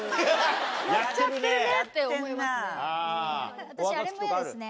やっちゃってるねって思いますね。